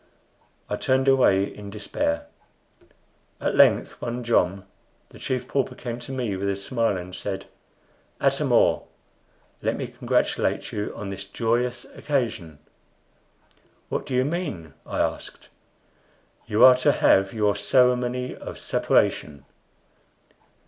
I turned away in despair. At length one jom the Chief Pauper came to me with a smile and said, "Atam or, let me congratulate you on this joyous occasion." "What do you mean?" I asked. "You are to have your ceremony of separation."